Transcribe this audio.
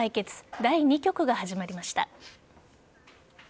第２局が始まりました。